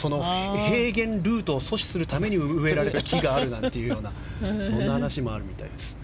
ヘイゲンルートを阻止するために木があるなんていうようなそんな話もあるみたいです。